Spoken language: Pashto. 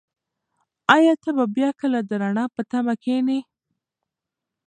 ایا ته به بیا کله د رڼا په تمه کښېنې؟